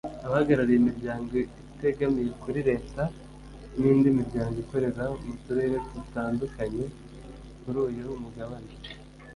abahagariye imiryango itegamiye kuri Leta n’indi miryango ikorera mu turere dutandukanye kuri uyu mugabane